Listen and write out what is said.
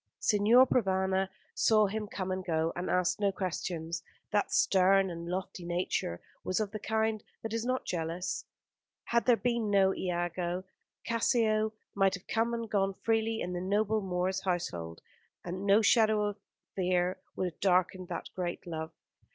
Signor Provana saw him come and go, and asked no questions. That stern and lofty nature was of the kind that is not easily jealous. Had there been no Iago, Cassio might have come and gone freely in the noble Moor's household, and no shadow of fear would have darkened that great love.